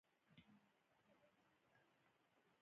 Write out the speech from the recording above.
د بخارۍ په واسطه د کوټې هوا تودیدل یوه ښه بیلګه ده.